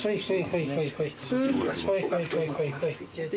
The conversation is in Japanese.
はいはいはいはい。